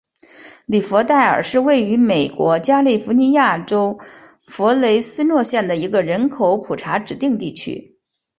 里弗代尔是位于美国加利福尼亚州弗雷斯诺县的一个人口普查指定地区。